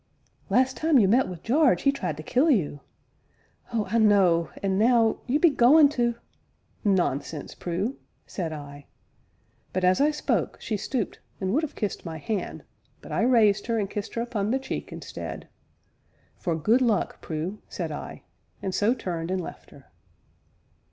"Last time you met wi' Jarge he tried to kill you. Oh, I know, and now you be goin' to " "Nonsense, Prue!" said I. But, as I spoke, she stooped and would have kissed my hand, but I raised her and kissed her upon the cheek, instead. "For good luck, Prue," said I, and so turned and left her.